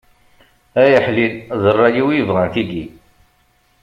Ay aḥlili, d rray-iw i yebɣan tigi.